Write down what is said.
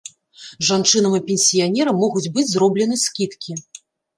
Жанчынам і пенсіянерам могуць быць зроблены скідкі.